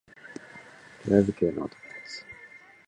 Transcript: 黒づくめの男たち